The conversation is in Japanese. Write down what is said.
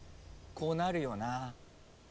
こうなるよな。